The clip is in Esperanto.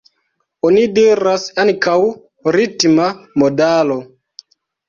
Oni diras ankaŭ ritma modalo.